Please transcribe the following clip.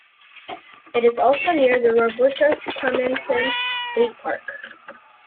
It is also near the Roberto Clemente State Park.